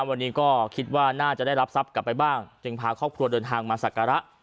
วันนี้ก็คิดว่าน่าจะได้รับทรัพย์กลับไปบ้างจึงพาครอบครัวเดินทางมาศักระ